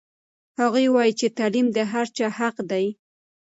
هغوی وایي چې تعلیم د هر چا حق دی.